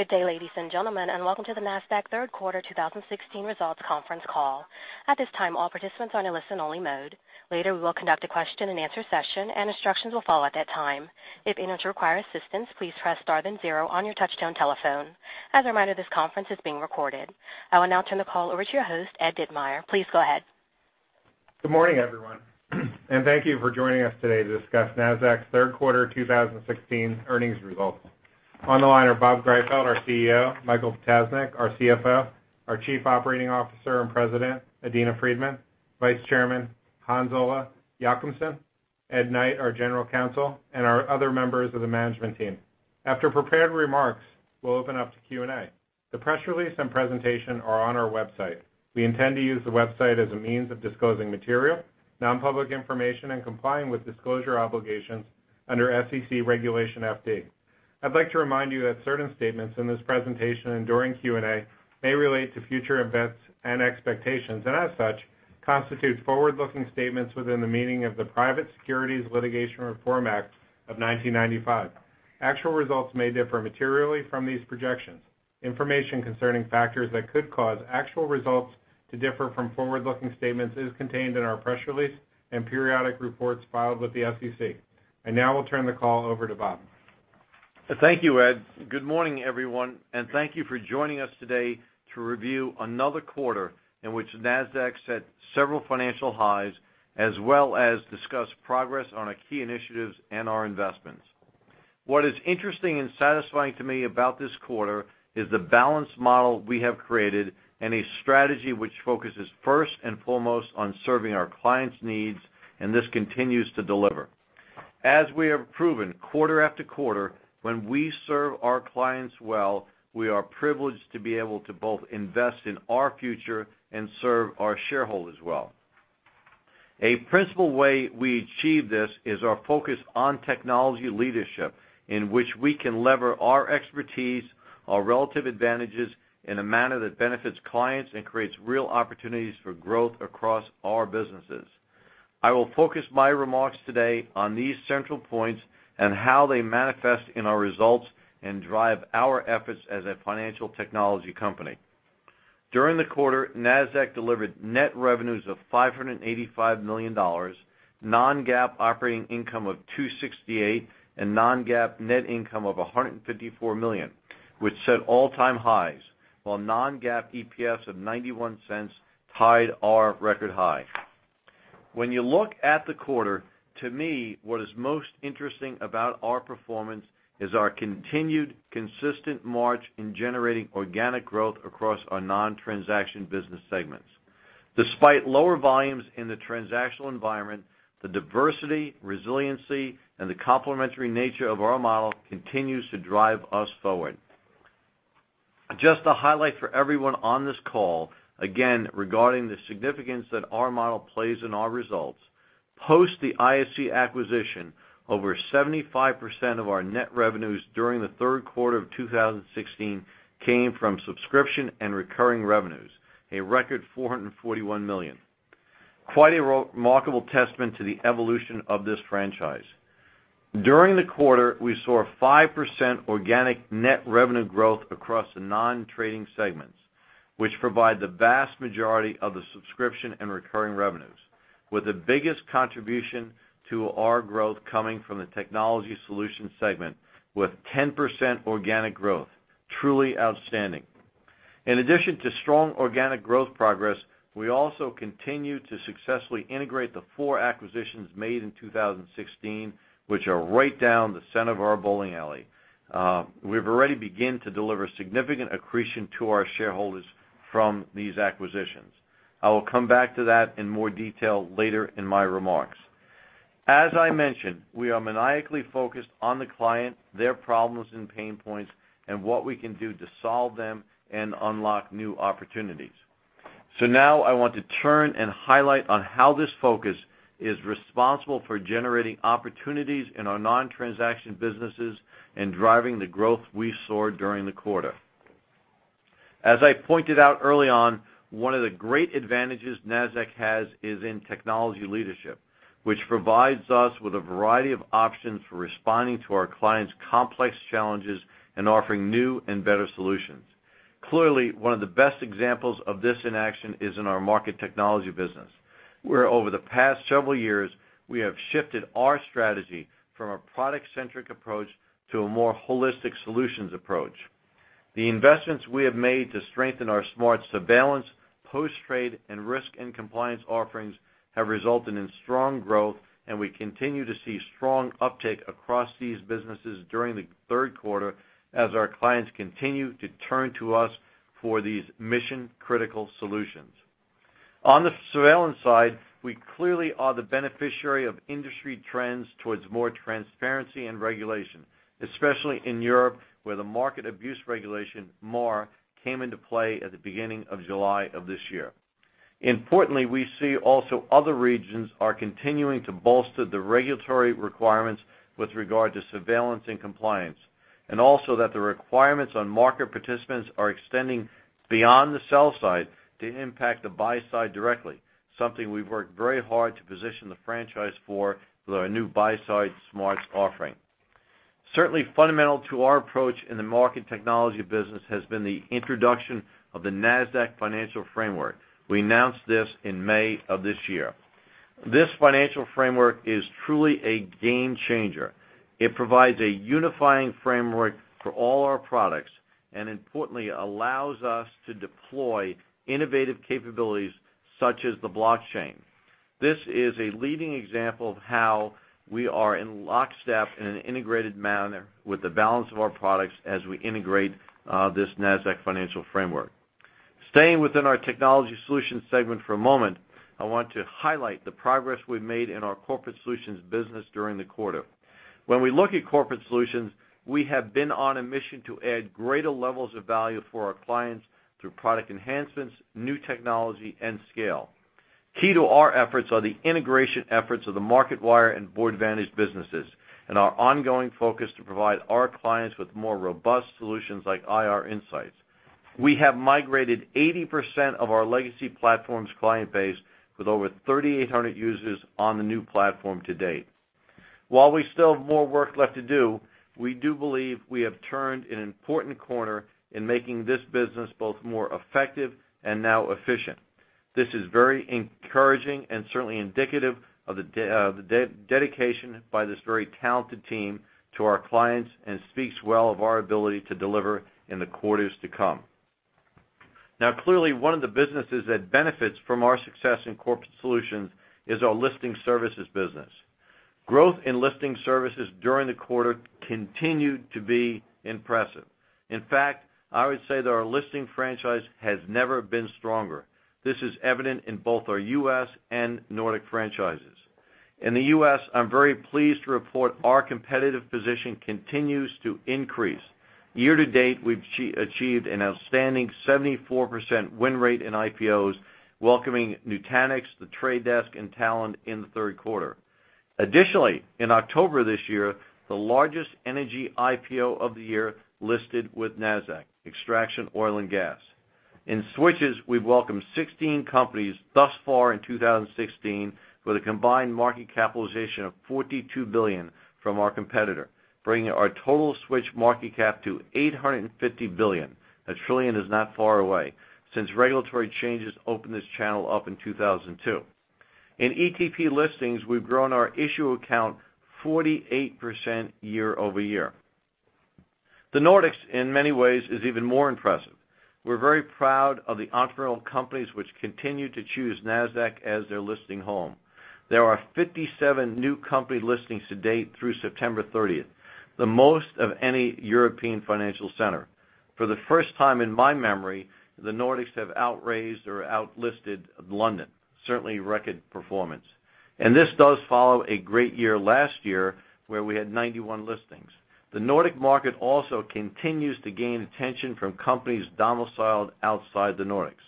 Good day, ladies and gentlemen, and welcome to the Nasdaq third quarter 2016 results conference call. At this time, all participants are in a listen-only mode. Later, we will conduct a question-and-answer session, and instructions will follow at that time. If anyone requires assistance, please press star then zero on your touchtone telephone. As a reminder, this conference is being recorded. I will now turn the call over to your host, Ed Ditmire. Please go ahead. Good morning, everyone, and thank you for joining us today to discuss Nasdaq's third quarter 2016 earnings results. On the line are Bob Greifeld, our CEO, Michael Ptasznik, our CFO, our Chief Operating Officer and President, Adena Friedman, Vice Chairman, Hans-Ole Jochumsen, Ed Knight, our General Counsel, and our other members of the management team. After prepared remarks, we'll open up to Q&A. The press release and presentation are on our website. We intend to use the website as a means of disclosing material, non-public information, and complying with disclosure obligations under SEC Regulation FD. I'd like to remind you that certain statements in this presentation and during Q&A may relate to future events and expectations, and as such, constitute forward-looking statements within the meaning of the Private Securities Litigation Reform Act of 1995. Actual results may differ materially from these projections. Information concerning factors that could cause actual results to differ from forward-looking statements is contained in our press release and periodic reports filed with the SEC. I now will turn the call over to Bob. Thank you, Ed. Good morning, everyone, and thank you for joining us today to review another quarter in which Nasdaq set several financial highs, as well as discuss progress on our key initiatives and our investments. What is interesting and satisfying to me about this quarter is the balanced model we have created and a strategy which focuses first and foremost on serving our clients' needs, this continues to deliver. As we have proven quarter after quarter, when we serve our clients well, we are privileged to be able to both invest in our future and serve our shareholders well. A principal way we achieve this is our focus on technology leadership, in which we can lever our expertise, our relative advantages in a manner that benefits clients and creates real opportunities for growth across our businesses. I will focus my remarks today on these central points and how they manifest in our results and drive our efforts as a financial technology company. During the quarter, Nasdaq delivered net revenues of $585 million, non-GAAP operating income of $268 million, and non-GAAP net income of $154 million, which set all-time highs, while non-GAAP EPS of $0.91 tied our record high. When you look at the quarter, to me, what is most interesting about our performance is our continued consistent march in generating organic growth across our non-transaction business segments. Despite lower volumes in the transactional environment, the diversity, resiliency, and the complementary nature of our model continues to drive us forward. Just to highlight for everyone on this call, again, regarding the significance that our model plays in our results, post the ISE acquisition, over 75% of our net revenues during the third quarter of 2016 came from subscription and recurring revenues, a record $441 million. Quite a remarkable testament to the evolution of this franchise. During the quarter, we saw a 5% organic net revenue growth across the non-trading segments, which provide the vast majority of the subscription and recurring revenues, with the biggest contribution to our growth coming from the Technology Solutions segment, with 10% organic growth. Truly outstanding. In addition to strong organic growth progress, we also continue to successfully integrate the four acquisitions made in 2016, which are right down the center of our bowling alley. We've already begun to deliver significant accretion to our shareholders from these acquisitions. I will come back to that in more detail later in my remarks. As I mentioned, we are maniacally focused on the client, their problems and pain points, and what we can do to solve them and unlock new opportunities. Now I want to turn and highlight on how this focus is responsible for generating opportunities in our non-transaction businesses and driving the growth we saw during the quarter. As I pointed out early on, one of the great advantages Nasdaq has is in technology leadership, which provides us with a variety of options for responding to our clients' complex challenges and offering new and better solutions. Clearly, one of the best examples of this in action is in our market technology business, where over the past several years, we have shifted our strategy from a product-centric approach to a more holistic solutions approach. The investments we have made to strengthen our smart surveillance, post-trade, and risk and compliance offerings have resulted in strong growth, and we continue to see strong uptick across these businesses during the third quarter as our clients continue to turn to us for these mission-critical solutions. On the surveillance side, we clearly are the beneficiary of industry trends towards more transparency and regulation, especially in Europe, where the Market Abuse Regulation, MAR, came into play at the beginning of July of this year. Importantly, we see also other regions are continuing to bolster the regulatory requirements with regard to surveillance and compliance, and also that the requirements on market participants are extending beyond the sell side to impact the buy side directly, something we've worked very hard to position the franchise for with our new Buy-Side Smarts offering. Certainly fundamental to our approach in the market technology business has been the introduction of the Nasdaq Financial Framework. We announced this in May of this year. This financial framework is truly a game changer. It provides a unifying framework for all our products, and importantly, allows us to deploy innovative capabilities such as the blockchain. This is a leading example of how we are in lockstep in an integrated manner with the balance of our products as we integrate this Nasdaq Financial Framework. Staying within our technology solutions segment for a moment, I want to highlight the progress we've made in our corporate solutions business during the quarter. When we look at corporate solutions, we have been on a mission to add greater levels of value for our clients through product enhancements, new technology, and scale. Key to our efforts are the integration efforts of the Marketwired and Boardvantage businesses and our ongoing focus to provide our clients with more robust solutions like IR Insight. We have migrated 80% of our legacy platforms client base with over 3,800 users on the new platform to date. While we still have more work left to do, we do believe we have turned an important corner in making this business both more effective and now efficient. This is very encouraging and certainly indicative of the dedication by this very talented team to our clients and speaks well of our ability to deliver in the quarters to come. Clearly, one of the businesses that benefits from our success in corporate solutions is our listing services business. Growth in listing services during the quarter continued to be impressive. In fact, I would say that our listing franchise has never been stronger. This is evident in both our U.S. and Nordic franchises. In the U.S., I'm very pleased to report our competitive position continues to increase. Year to date, we've achieved an outstanding 74% win rate in IPOs, welcoming Nutanix, The Trade Desk, and Talend in the third quarter. Additionally, in October this year, the largest energy IPO of the year listed with Nasdaq, Extraction Oil & Gas. In switches, we've welcomed 16 companies thus far in 2016 with a combined market capitalization of $42 billion from our competitor, bringing our total switch market cap to $850 billion. $1 trillion is not far away since regulatory changes opened this channel up in 2002. In ETP listings, we've grown our issuer count 48% year-over-year. The Nordics, in many ways, is even more impressive. We're very proud of the entrepreneurial companies which continue to choose Nasdaq as their listing home. There are 57 new company listings to date through September 30th, the most of any European financial center. For the first time in my memory, the Nordics have outraised or outlisted London. Certainly record performance. This does follow a great year last year where we had 91 listings. The Nordic market also continues to gain attention from companies domiciled outside the Nordics.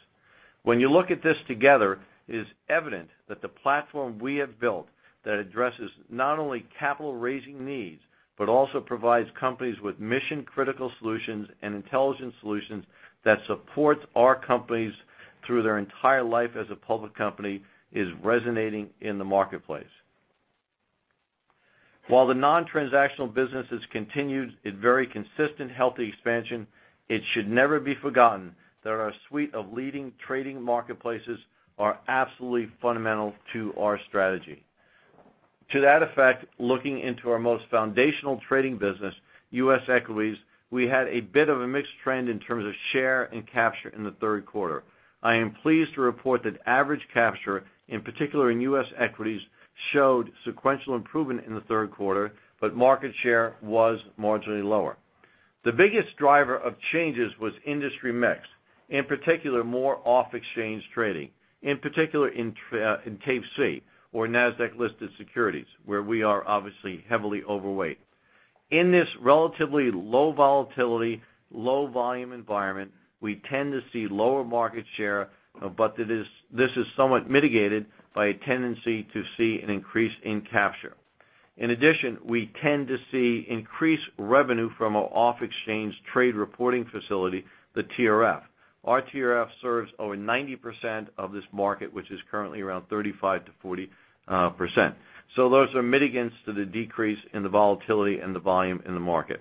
When you look at this together, it is evident that the platform we have built that addresses not only capital raising needs, but also provides companies with mission-critical solutions and intelligent solutions that support our companies through their entire life as a public company, is resonating in the marketplace. While the non-transactional businesses continued a very consistent, healthy expansion, it should never be forgotten that our suite of leading trading marketplaces are absolutely fundamental to our strategy. To that effect, looking into our most foundational trading business, U.S. Equities, we had a bit of a mixed trend in terms of share and capture in the third quarter. I am pleased to report that average capture, in particular in U.S. equities, showed sequential improvement in the third quarter, but market share was marginally lower. The biggest driver of changes was industry mix, in particular, more off-exchange trading, in particular in Tape C or Nasdaq-listed securities, where we are obviously heavily overweight. In this relatively low volatility, low volume environment, we tend to see lower market share, but this is somewhat mitigated by a tendency to see an increase in capture. In addition, we tend to see increased revenue from our off-exchange trade reporting facility, the TRF. Our TRF serves over 90% of this market, which is currently around 35%-40%. Those are mitigants to the decrease in the volatility and the volume in the market.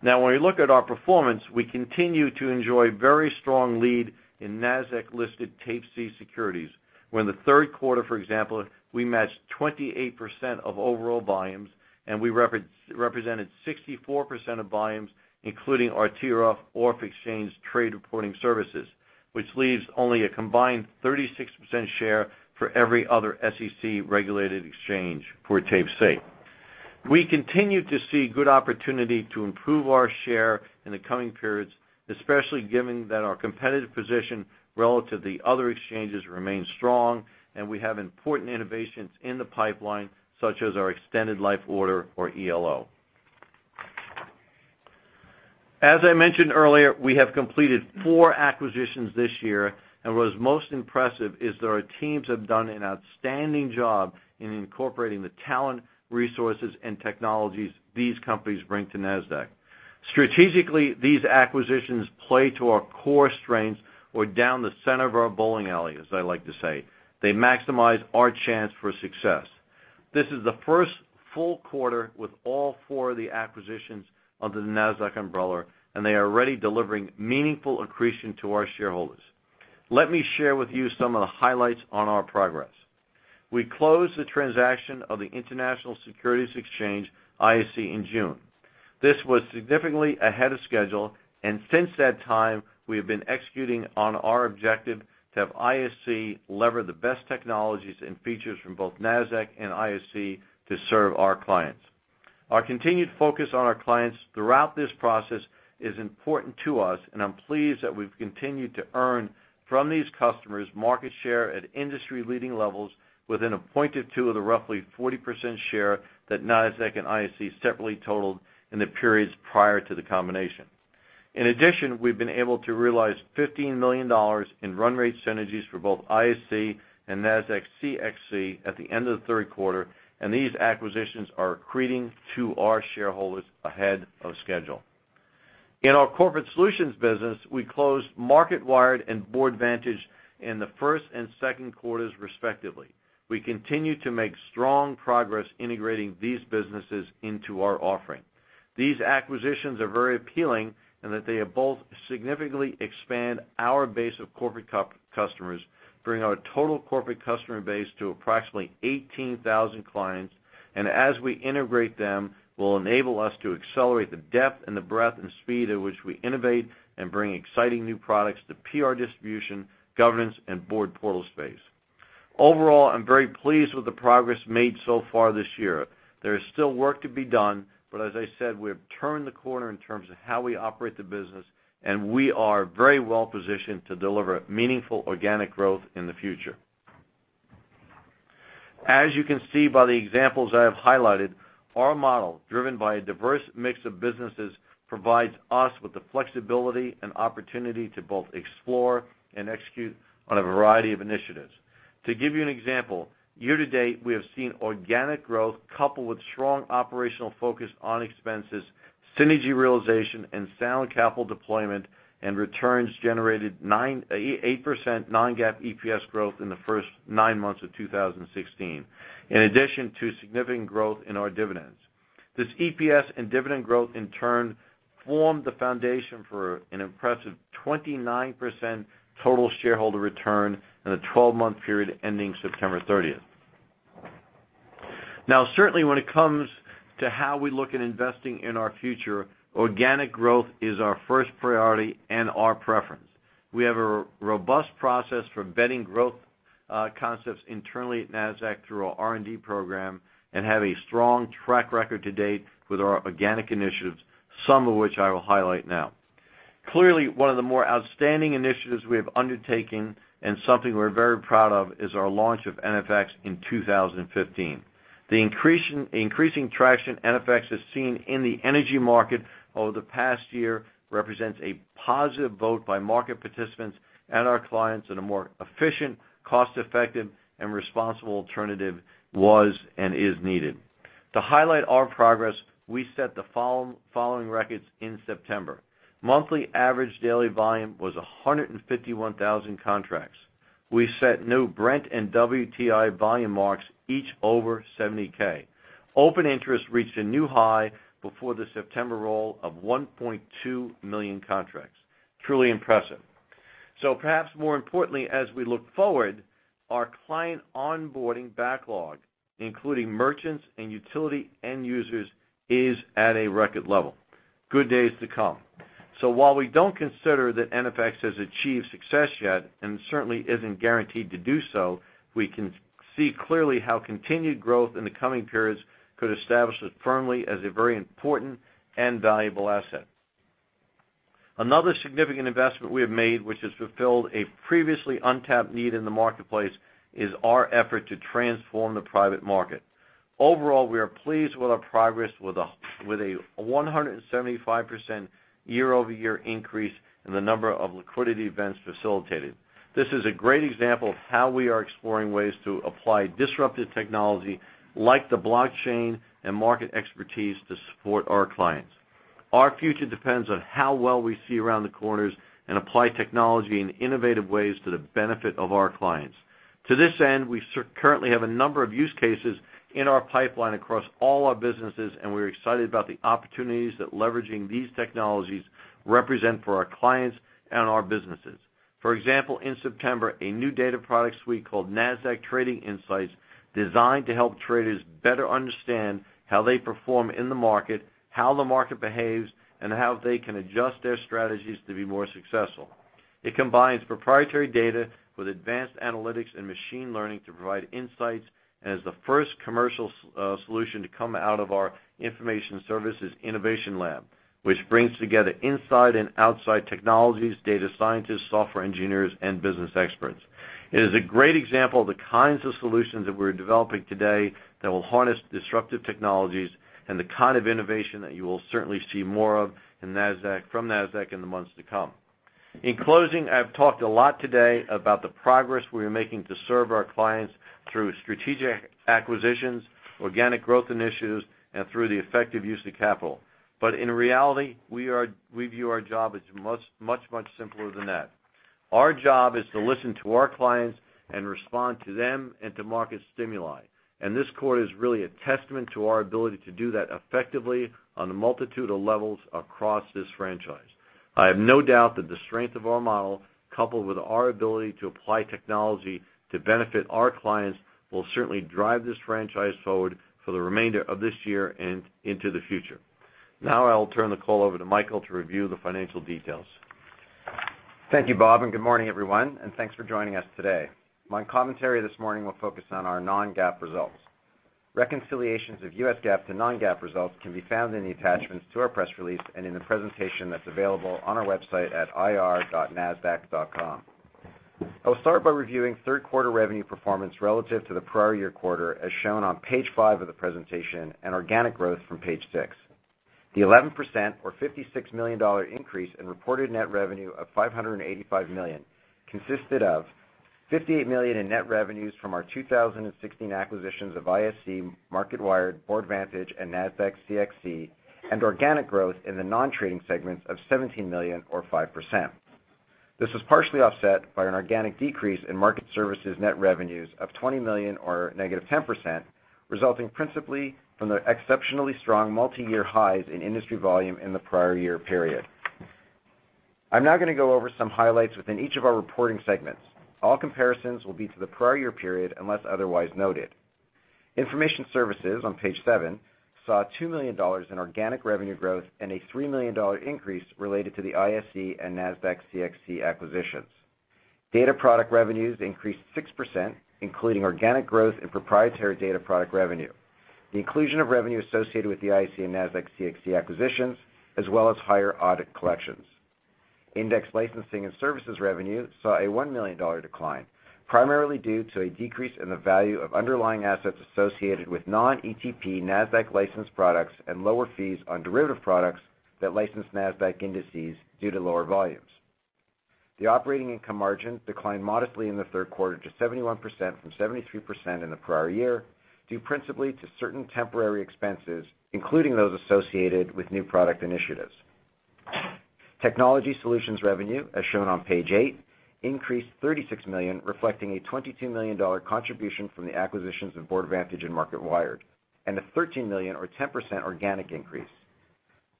When we look at our performance, we continue to enjoy very strong lead in Nasdaq-listed Tape C securities, where in the third quarter, for example, we matched 28% of overall volumes, and we represented 64% of volumes, including our TRF off-exchange trade reporting services, which leaves only a combined 36% share for every other SEC-regulated exchange for Tape C. We continue to see good opportunity to improve our share in the coming periods, especially given that our competitive position relative to the other exchanges remains strong, and we have important innovations in the pipeline, such as our Extended Life Order or ELO. As I mentioned earlier, we have completed four acquisitions this year, and what is most impressive is that our teams have done an outstanding job in incorporating the talent, resources, and technologies these companies bring to Nasdaq. Strategically, these acquisitions play to our core strengths or down the center of our bowling alley, as I like to say. They maximize our chance for success. This is the first full quarter with all four of the acquisitions under the Nasdaq umbrella, and they are already delivering meaningful accretion to our shareholders. Let me share with you some of the highlights on our progress. We closed the transaction of the International Securities Exchange, ISE, in June. This was significantly ahead of schedule, and since that time, we have been executing on our objective to have ISE lever the best technologies and features from both Nasdaq and ISE to serve our clients. Our continued focus on our clients throughout this process is important to us, and I'm pleased that we've continued to earn from these customers market share at industry-leading levels within a point or two of the roughly 40% share that Nasdaq and ISE separately totaled in the periods prior to the combination. In addition, we've been able to realize $15 million in run rate synergies for both ISE and Nasdaq CXC at the end of the third quarter, and these acquisitions are accreting to our shareholders ahead of schedule. In our corporate solutions business, we closed Marketwired and Boardvantage in the first and second quarters, respectively. We continue to make strong progress integrating these businesses into our offering. These acquisitions are very appealing in that they both significantly expand our base of corporate customers, bringing our total corporate customer base to approximately 18,000 clients, and as we integrate them, will enable us to accelerate the depth and the breadth and speed at which we innovate and bring exciting new products to PR distribution, governance, and board portal space. I'm very pleased with the progress made so far this year. There is still work to be done, as I said, we have turned the corner in terms of how we operate the business, we are very well positioned to deliver meaningful organic growth in the future. As you can see by the examples I have highlighted, our model, driven by a diverse mix of businesses, provides us with the flexibility and opportunity to both explore and execute on a variety of initiatives. To give you an example, year-to-date, we have seen organic growth coupled with strong operational focus on expenses, synergy realization, and sound capital deployment and returns generated 8% non-GAAP EPS growth in the first nine months of 2016, in addition to significant growth in our dividends. This EPS and dividend growth in turn formed the foundation for an impressive 29% total shareholder return in the 12-month period ending September 30th. Certainly when it comes to how we look at investing in our future, organic growth is our first priority and our preference. We have a robust process for vetting growth concepts internally at Nasdaq through our R&D program and have a strong track record to date with our organic initiatives, some of which I will highlight now. One of the more outstanding initiatives we have undertaken, and something we're very proud of, is our launch of NFX in 2015. The increasing traction NFX has seen in the energy market over the past year represents a positive vote by market participants and our clients in a more efficient, cost-effective, and responsible alternative was and is needed. To highlight our progress, we set the following records in September. Monthly average daily volume was 151,000 contracts. We set new Brent and WTI volume marks, each over 70,000. Open interest reached a new high before the September roll of 1.2 million contracts. Truly impressive. Perhaps more importantly, as we look forward, our client onboarding backlog, including merchants and utility end users, is at a record level. Good days to come. While we don't consider that NFX has achieved success yet, and certainly isn't guaranteed to do so, we can see clearly how continued growth in the coming periods could establish it firmly as a very important and valuable asset. Another significant investment we have made, which has fulfilled a previously untapped need in the marketplace, is our effort to transform the private market. We are pleased with our progress with a 175% year-over-year increase in the number of liquidity events facilitated. This is a great example of how we are exploring ways to apply disruptive technology like the blockchain and market expertise to support our clients. Our future depends on how well we see around the corners and apply technology in innovative ways to the benefit of our clients. To this end, we currently have a number of use cases in our pipeline across all our businesses, and we're excited about the opportunities that leveraging these technologies represent for our clients and our businesses. For example, in September, a new data product suite called Nasdaq Trading Insights, designed to help traders better understand how they perform in the market, how the market behaves, and how they can adjust their strategies to be more successful. It combines proprietary data with advanced analytics and machine learning to provide insights, and is the first commercial solution to come out of our information services innovation lab, which brings together inside and outside technologies, data scientists, software engineers, and business experts. It is a great example of the kinds of solutions that we're developing today that will harness disruptive technologies and the kind of innovation that you will certainly see more of from Nasdaq in the months to come. In closing, I've talked a lot today about the progress we are making to serve our clients through strategic acquisitions, organic growth initiatives, and through the effective use of capital. In reality, we view our job as much, much simpler than that. Our job is to listen to our clients and respond to them and to market stimuli. This quarter is really a testament to our ability to do that effectively on a multitude of levels across this franchise. I have no doubt that the strength of our model, coupled with our ability to apply technology to benefit our clients, will certainly drive this franchise forward for the remainder of this year and into the future. Now I'll turn the call over to Michael to review the financial details. Thank you, Bob, and good morning, everyone, and thanks for joining us today. My commentary this morning will focus on our non-GAAP results. Reconciliations of US GAAP to non-GAAP results can be found in the attachments to our press release and in the presentation that's available on our website at ir.nasdaq.com. I will start by reviewing third quarter revenue performance relative to the prior year quarter, as shown on page five of the presentation, and organic growth from page six. The 11%, or $56 million increase in reported net revenue of $585 million consisted of $58 million in net revenues from our 2016 acquisitions of ISE, Marketwired, Boardvantage, and Nasdaq CXC, and organic growth in the non-trading segments of $17 million or 5%. This was partially offset by an organic decrease in Market Services net revenues of $20 million or -10%, resulting principally from the exceptionally strong multi-year highs in industry volume in the prior year period. I'm now going to go over some highlights within each of our reporting segments. All comparisons will be to the prior year period, unless otherwise noted. Information Services, on page seven, saw $2 million in organic revenue growth and a $3 million increase related to the ISE and Nasdaq CXC acquisitions. Data product revenues increased 6%, including organic growth in proprietary data product revenue. The inclusion of revenue associated with the ISE and Nasdaq CXC acquisitions, as well as higher audit collections. Index licensing and services revenue saw a $1 million decline, primarily due to a decrease in the value of underlying assets associated with non-ETP Nasdaq licensed products and lower fees on derivative products that license Nasdaq indices due to lower volumes. The operating income margin declined modestly in the third quarter to 71% from 73% in the prior year, due principally to certain temporary expenses, including those associated with new product initiatives. Technology Solutions revenue, as shown on page eight, increased $36 million, reflecting a $22 million contribution from the acquisitions of Boardvantage and Marketwired, and a $13 million or 10% organic increase.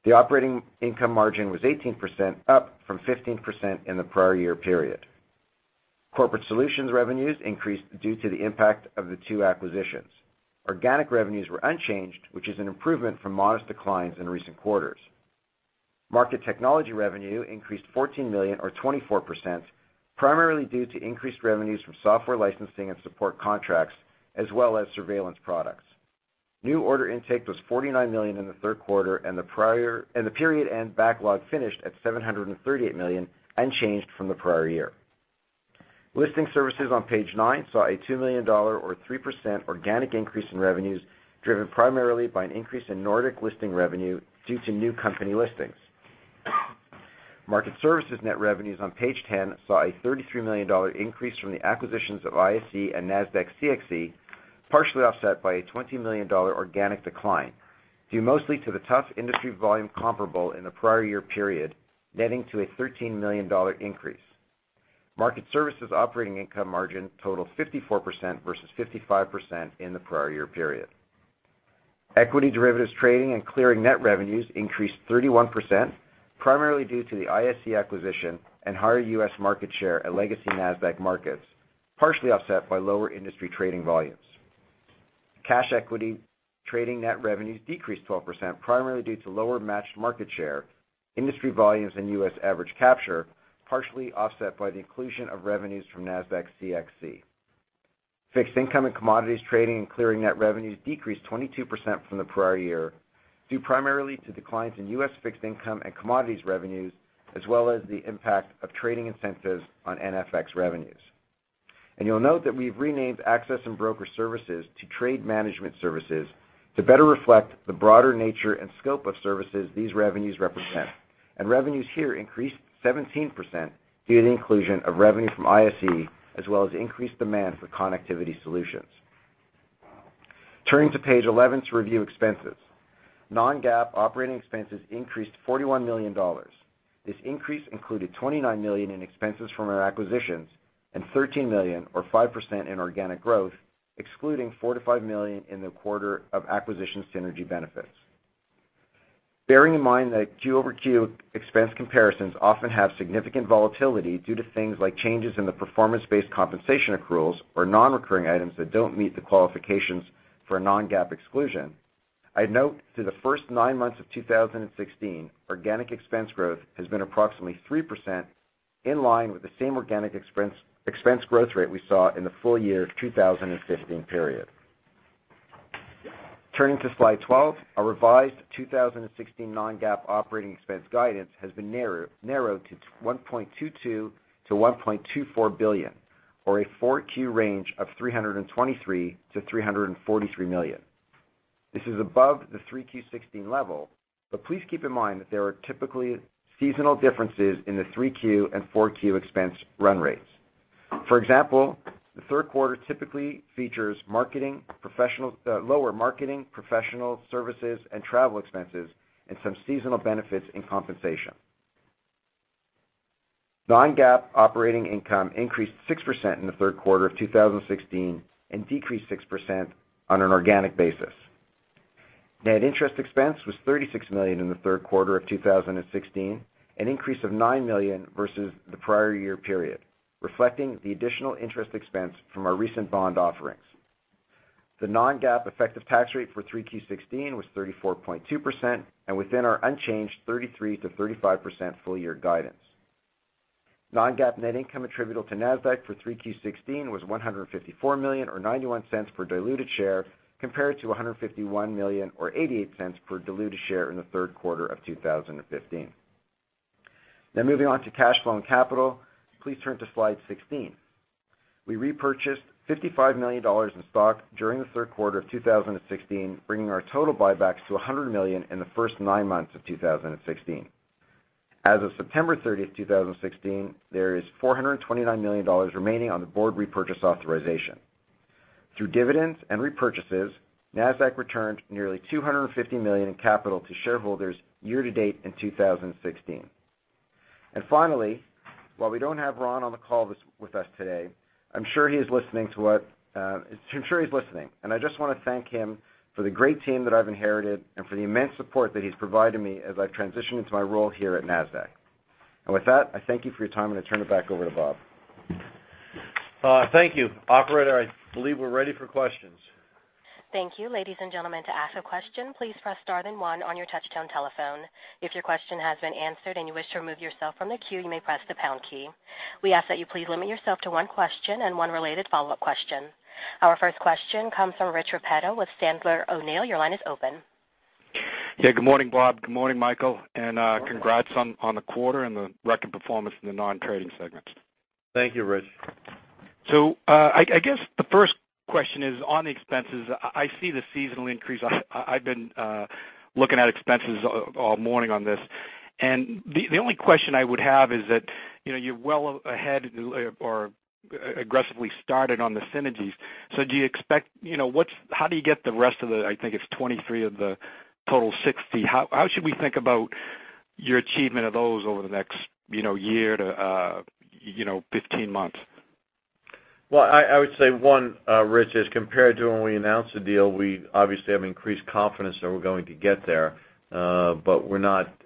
The operating income margin was 18%, up from 15% in the prior year period. Corporate Solutions revenues increased due to the impact of the two acquisitions. Organic revenues were unchanged, which is an improvement from modest declines in recent quarters. Market Technology revenue increased $14 million or 24%, primarily due to increased revenues from software licensing and support contracts, as well as surveillance products. New order intake was $49 million in the third quarter and the period end backlog finished at $738 million, unchanged from the prior year. Listing Services on page nine saw a $2 million or 3% organic increase in revenues, driven primarily by an increase in Nordic listing revenue due to new company listings. Market Services net revenues on page 10 saw a $33 million increase from the acquisitions of ISE and Nasdaq CXC, partially offset by a $20 million organic decline, due mostly to the tough industry volume comparable in the prior year period, netting to a $13 million increase. Market Services operating income margin totaled 54% versus 55% in the prior year period. Equity derivatives trading and clearing net revenues increased 31%, primarily due to the ISE acquisition and higher U.S. market share at legacy Nasdaq markets, partially offset by lower industry trading volumes. Cash equity trading net revenues decreased 12%, primarily due to lower matched market share, industry volumes, and U.S. average capture, partially offset by the inclusion of revenues from Nasdaq CXC. Fixed Income and Commodities trading and clearing net revenues decreased 22% from the prior year, due primarily to declines in U.S. Fixed Income and Commodities revenues, as well as the impact of trading incentives on NFX revenues. You'll note that we've renamed Access and Broker Services to Trade Management Services to better reflect the broader nature and scope of services these revenues represent. Revenues here increased 17% due to the inclusion of revenue from ISE, as well as increased demand for connectivity solutions. Turning to page 11 to review expenses. Non-GAAP operating expenses increased $41 million. This increase included $29 million in expenses from our acquisitions and $13 million or 5% in organic growth, excluding $4 million-$5 million in the quarter of acquisition synergy benefits. Bearing in mind that Q-over-Q expense comparisons often have significant volatility due to things like changes in the performance-based compensation accruals or non-recurring items that don't meet the qualifications for a non-GAAP exclusion, I'd note that the first nine months of 2016, organic expense growth has been approximately 3%, in line with the same organic expense growth rate we saw in the full year 2015 period. Turning to slide 12, our revised 2016 non-GAAP operating expense guidance has been narrowed to $1.22 billion-$1.24 billion, or a four Q range of $323 million-$343 million. Please keep in mind that there are typically seasonal differences in the 3Q and 4Q expense run rates. For example, the third quarter typically features lower marketing, professional services, and travel expenses, and some seasonal benefits in compensation. Non-GAAP operating income increased 6% in the third quarter of 2016 and decreased 6% on an organic basis. Net interest expense was $36 million in the third quarter of 2016, an increase of $9 million versus the prior year period, reflecting the additional interest expense from our recent bond offerings. The non-GAAP effective tax rate for 3Q16 was 34.2% and within our unchanged 33%-35% full year guidance. Non-GAAP net income attributable to Nasdaq for 3Q16 was $154 million, or $0.91 per diluted share, compared to $151 million or $0.88 per diluted share in the third quarter of 2015. Moving on to cash flow and capital. Please turn to slide 16. We repurchased $55 million in stock during the third quarter of 2016, bringing our total buybacks to $100 million in the first nine months of 2016. As of September 30th, 2016, there is $429 million remaining on the board repurchase authorization. Through dividends and repurchases, Nasdaq returned nearly $250 million in capital to shareholders year-to-date in 2016. Finally, while we don't have Ron on the call with us today, I'm sure he is listening, and I just want to thank him for the great team that I've inherited and for the immense support that he's provided me as I've transitioned into my role here at Nasdaq. With that, I thank you for your time, and I turn it back over to Bob. Thank you. Operator, I believe we're ready for questions. Thank you. Ladies and gentlemen, to ask a question, please press star then one on your touchtone telephone. If your question has been answered and you wish to remove yourself from the queue, you may press the pound key. We ask that you please limit yourself to one question and one related follow-up question. Our first question comes from Rich Repetto with Sandler O'Neill. Your line is open. Good morning, Bob. Good morning, Michael, and congrats on the quarter and the record performance in the non-trading segments. Thank you, Rich. I guess the first question is on the expenses. I see the seasonal increase. I've been looking at expenses all morning on this. The only question I would have is that, you're well ahead or aggressively started on the synergies. How do you get the rest of the, I think it's 23 of the total 60? How should we think about your achievement of those over the next year to 15 months? Well, I would say one, Rich, is compared to when we announced the deal, we obviously have increased confidence that we're going to get there. We're not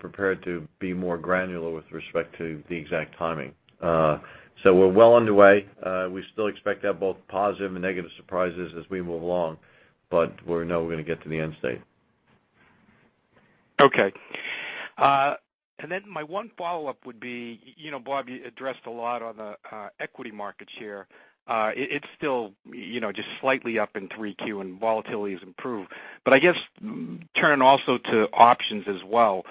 prepared to be more granular with respect to the exact timing. We're well underway. We still expect to have both positive and negative surprises as we move along, but we know we're going to get to the end state. Okay. My one follow-up would be, Bob, you addressed a lot on the equity market share. It is still just slightly up in 3Q and volatility has improved. I guess turning also to options as well,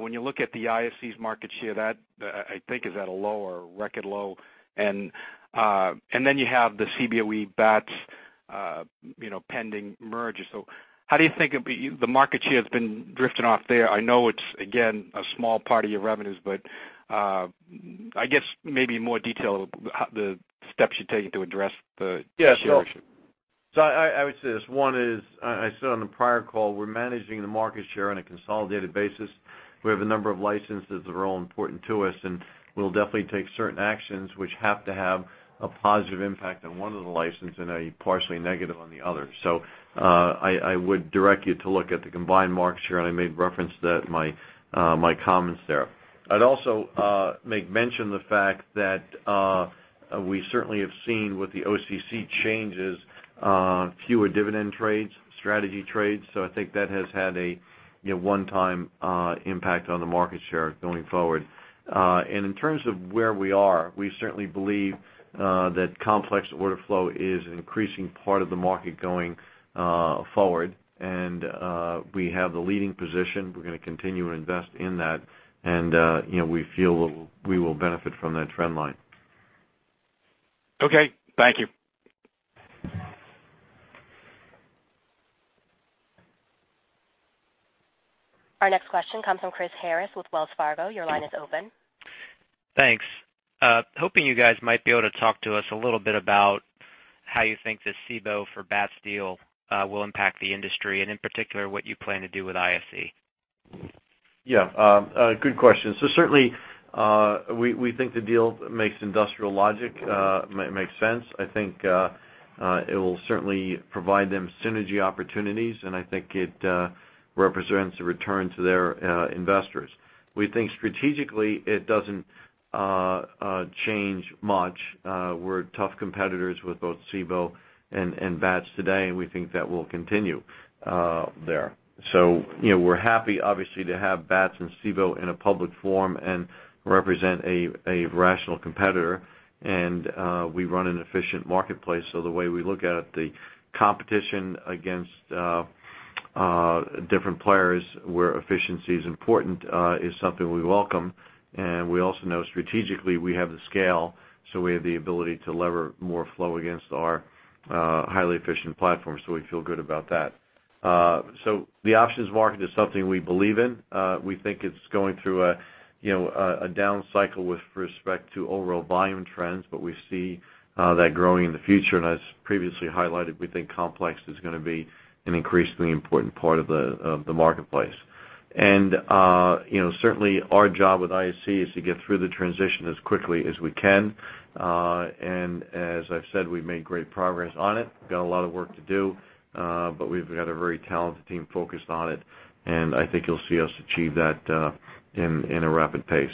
when you look at the ISE's market share, that I think is at a low or a record low. You have the CBOE-BATS pending merger. How do you think the market share's been drifting off there? I know it's, again, a small part of your revenues, but I guess maybe more detail, the steps you're taking to address the share issue. Yeah. I would say this. One is, I said on the prior call, we're managing the market share on a consolidated basis. We have a number of licenses that are all important to us, and we'll definitely take certain actions which have to have a positive impact on one of the license and a partially negative on the other. I would direct you to look at the combined market share, and I made reference to that in my comments there. I'd also make mention the fact that we certainly have seen with the OCC changes, fewer dividend trades, strategy trades. I think that has had a one-time impact on the market share going forward. In terms of where we are, we certainly believe that complex order flow is an increasing part of the market going forward. We have the leading position. We're going to continue to invest in that. We feel we will benefit from that trend line. Okay. Thank you. Our next question comes from Chris Harris with Wells Fargo. Your line is open. Thanks. Hoping you guys might be able to talk to us a little bit about how you think the Cboe for Bats deal will impact the industry, and in particular, what you plan to do with ISE. Yeah. Good question. Certainly, we think the deal makes industrial logic, makes sense. I think it will certainly provide them synergy opportunities, and I think it represents a return to their investors. We think strategically, it doesn't change much. We're tough competitors with both Cboe and Bats today, and we think that will continue there. We're happy, obviously, to have Bats and Cboe in a public form and represent a rational competitor. We run an efficient marketplace, so the way we look at it, the competition against different players where efficiency is important is something we welcome. We also know strategically we have the scale, so we have the ability to lever more flow against our highly efficient platform. We feel good about that. The options market is something we believe in. We think it's going through a down cycle with respect to overall volume trends, but we see that growing in the future. As previously highlighted, we think complex is going to be an increasingly important part of the marketplace. Certainly, our job with ISE is to get through the transition as quickly as we can. As I've said, we've made great progress on it, got a lot of work to do, but we've got a very talented team focused on it, and I think you'll see us achieve that in a rapid pace.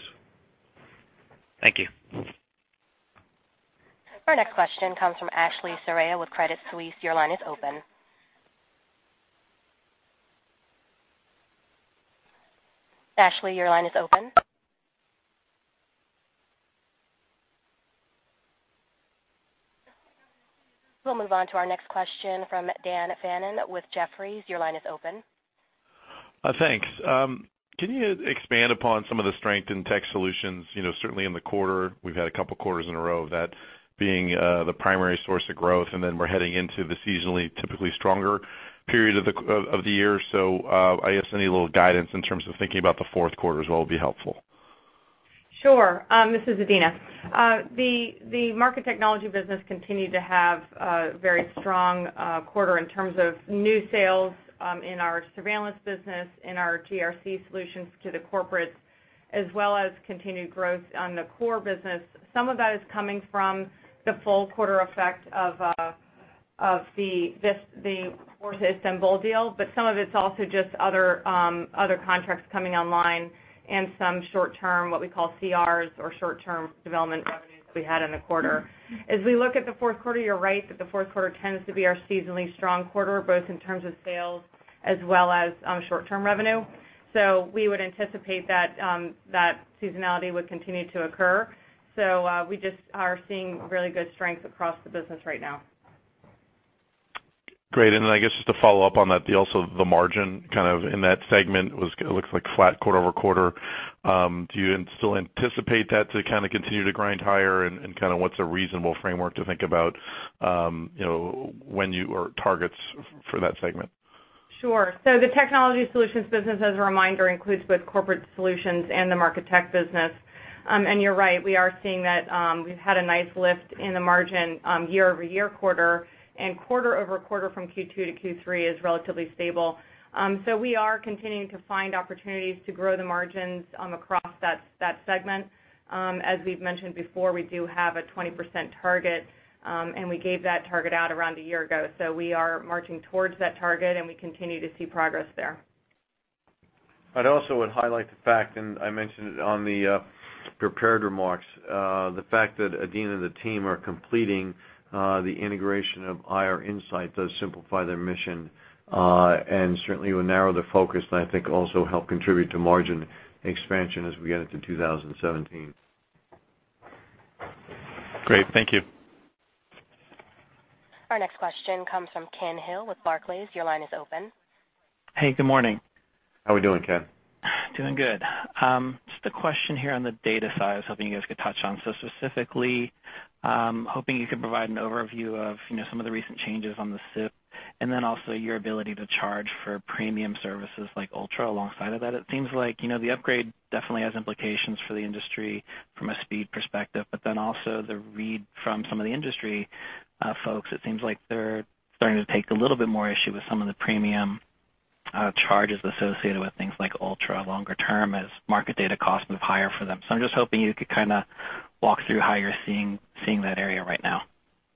Thank you. Our next question comes from Ashley Soraya with Credit Suisse. Your line is open. Ashley, your line is open. We'll move on to our next question from Dan Fannon with Jefferies. Your line is open. Thanks. Can you expand upon some of the strength in tech solutions? Certainly in the quarter, we've had a couple of quarters in a row of that being the primary source of growth, and then we're heading into the seasonally typically stronger period of the year. I guess, any little guidance in terms of thinking about the fourth quarter as well would be helpful. Sure. This is Adena. The market technology business continued to have a very strong quarter in terms of new sales in our surveillance business, in our GRC solutions to the corporates, as well as continued growth on the core business. Some of that is coming from the full quarter effect of the Dorsey Wright deal, but some of it's also just other contracts coming online and some short-term, what we call CRs or short-term development revenues that we had in the quarter. As we look at the fourth quarter, you're right that the fourth quarter tends to be our seasonally strong quarter, both in terms of sales as well as short-term revenue. We would anticipate that seasonality would continue to occur. We just are seeing really good strength across the business right now. Great. I guess just to follow up on that deal, the margin kind of in that segment, it looks like flat quarter-over-quarter. Do you still anticipate that to kind of continue to grind higher? Kind of what's a reasonable framework to think about targets for that segment? Sure. The technology solutions business, as a reminder, includes both corporate solutions and the market tech business. You're right, we are seeing that we've had a nice lift in the margin year-over-year quarter, and quarter-over-quarter from Q2 to Q3 is relatively stable. We are continuing to find opportunities to grow the margins across that segment. As we've mentioned before, we do have a 20% target, and we gave that target out around a year ago. We are marching towards that target, and we continue to see progress there. I'd also would highlight the fact, and I mentioned it on the prepared remarks, the fact that Adena and the team are completing the integration of IR Insight does simplify their mission. Certainly will narrow the focus, and I think also help contribute to margin expansion as we get into 2017. Great. Thank you. Our next question comes from Ken Hill with Barclays. Your line is open. Hey, good morning. How we doing, Ken? Doing good. Just a question here on the data side I was hoping you guys could touch on. Specifically, hoping you could provide an overview of some of the recent changes on the SIP, and then also your ability to charge for premium services like UltraFeed alongside of that. It seems like the upgrade definitely has implications for the industry from a speed perspective, the read from some of the industry folks, it seems like they're starting to take a little bit more issue with some of the premium charges associated with things like UltraFeed longer term as market data costs move higher for them. I'm just hoping you could kind of walk through how you're seeing that area right now.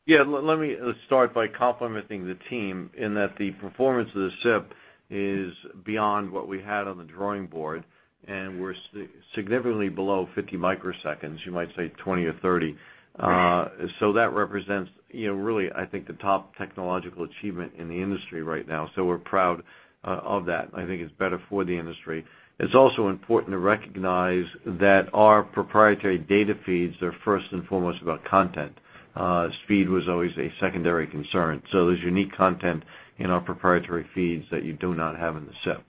Let's start by complimenting the team in that the performance of the SIP is beyond what we had on the drawing board, and we're significantly below 50 microseconds, you might say 20 or 30. Right. That represents really, I think, the top technological achievement in the industry right now. We're proud of that. I think it's better for the industry. It's also important to recognize that our proprietary data feeds are first and foremost about content. Speed was always a secondary concern. There's unique content in our proprietary feeds that you do not have in the SIP.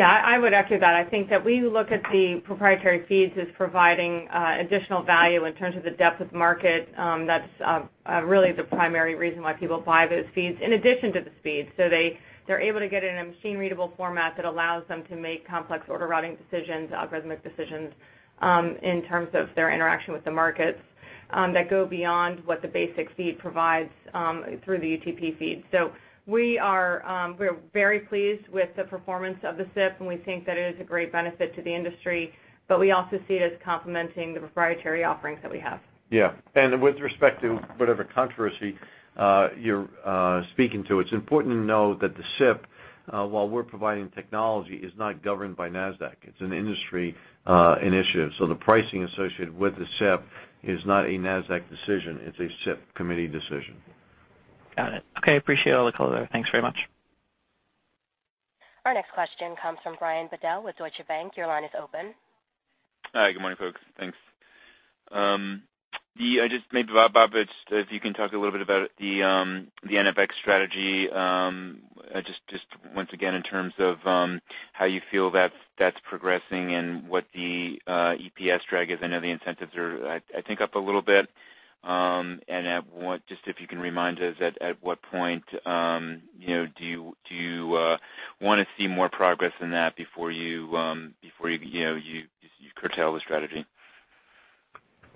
I would echo that. I think that we look at the proprietary feeds as providing additional value in terms of the depth of market. That's really the primary reason why people buy those feeds in addition to the speed. They're able to get it in a machine-readable format that allows them to make complex order routing decisions, algorithmic decisions, in terms of their interaction with the markets that go beyond what the basic feed provides through the UTP feed. We're very pleased with the performance of the SIP, and we think that it is a great benefit to the industry, but we also see it as complementing the proprietary offerings that we have. Yeah. With respect to whatever controversy you're speaking to, it's important to know that the SIP, while we're providing technology, is not governed by Nasdaq. It's an industry initiative. The pricing associated with the SIP is not a Nasdaq decision, it's a SIP committee decision. Got it. Okay, appreciate all the color. Thanks very much. Our next question comes from Brian Bedell with Deutsche Bank. Your line is open. Hi, good morning, folks. Thanks. Maybe, Bob, if you can talk a little bit about the NFX strategy. Just Once again, in terms of how you feel that's progressing and what the EPS drag is. I know the incentives are, I think, up a little bit. Just if you can remind us at what point do you want to see more progress in that before you curtail the strategy? Okay.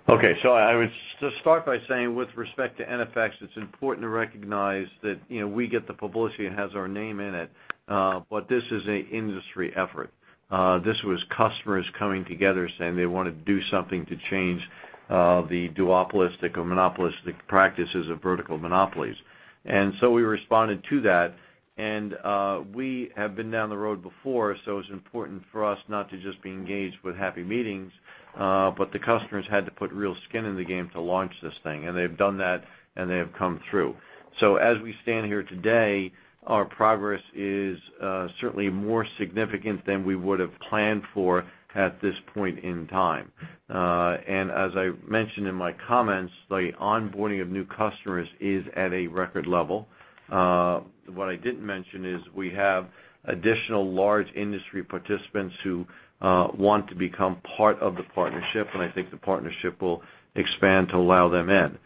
I would start by saying, with respect to NFX, it's important to recognize that we get the publicity. It has our name in it, this is an industry effort. This was customers coming together saying they want to do something to change the duopolistic or monopolistic practices of vertical monopolies. We responded to that. We have been down the road before, it's important for us not to just be engaged with happy meetings, the customers had to put real skin in the game to launch this thing, they've done that, and they have come through. As we stand here today, our progress is certainly more significant than we would've planned for at this point in time. As I mentioned in my comments, the onboarding of new customers is at a record level. What I didn't mention is we have additional large industry participants who want to become part of the partnership, I think the partnership will expand to allow them in.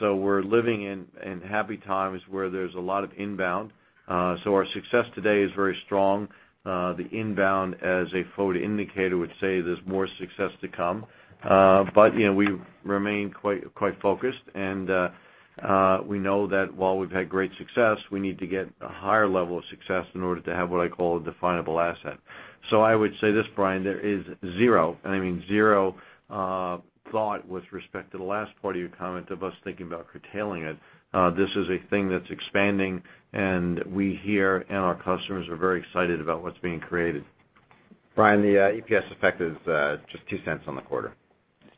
We're living in happy times where there's a lot of inbound. Our success today is very strong. The inbound as a forward indicator would say there's more success to come. We remain quite focused, we know that while we've had great success, we need to get a higher level of success in order to have what I call a definable asset. I would say this, Brian Bedell, there is zero, and I mean zero thought with respect to the last part of your comment of us thinking about curtailing it. This is a thing that's expanding, we here, and our customers are very excited about what's being created. Brian Bedell, the EPS effect is just $0.02 on the quarter.